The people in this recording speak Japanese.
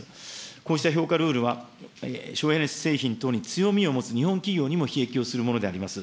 こうした評価ルールは省エネ製品等に強みを持つ日本企業にもひ益をするものであります。